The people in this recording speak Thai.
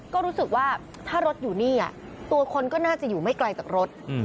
ก็รู้สึกว่าถ้ารถอยู่นี่ตัวคนก็น่าจะอยู่ไม่ไกลจากรถ